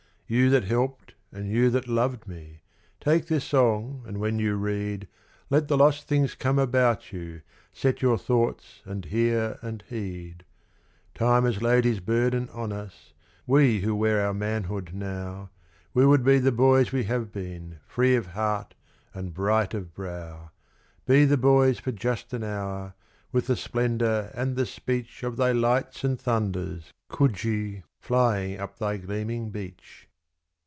You that helped and you that loved me, take this song, and when you read, Let the lost things come about you, set your thoughts and hear and heed. Time has laid his burden on us we who wear our manhood now, We would be the boys we have been, free of heart and bright of brow Be the boys for just an hour, with the splendour and the speech Of thy lights and thunders, Coogee, flying up thy gleaming beach.